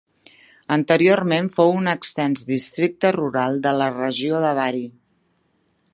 Anteriorment fou un extens districte rural de la regió de Bari.